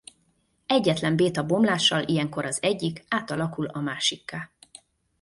Egyetlen béta-bomlással ilyenkor az egyik átalakul a másikká.